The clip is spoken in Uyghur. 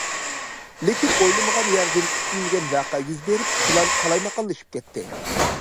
لېكىن ئويلىمىغان يەردىن كۈتۈلمىگەن ۋەقە يۈز بېرىپ، پىلان قالايمىقانلىشىپ كەتتى.